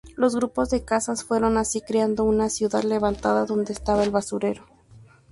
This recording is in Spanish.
Los grupos de casas fueron así creando una ciudad levantada donde estaba el basurero.